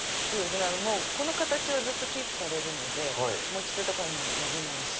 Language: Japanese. この形はずっとキープされるので持ち手とかも伸びないし。